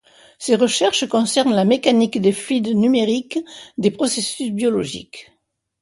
Ses recherches concernent la mécanique des fluides numérique des processus biologiques.